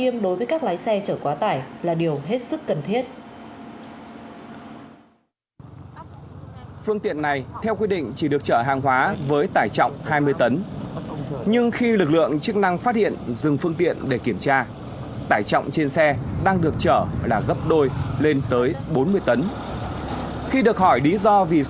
mà không chở quá tải thì mình không có công